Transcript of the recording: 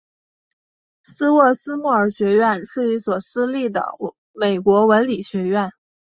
斯沃斯莫尔学院是一所私立的美国文理学院。